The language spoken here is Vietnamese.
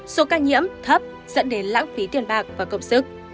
số ca nhiễm thấp dẫn đến lãng phí tiền bạc và công sức